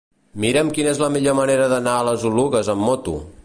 Mira'm quina és la millor manera d'anar a les Oluges amb moto.